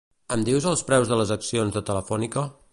Em dius els preus de les accions de Telefònica?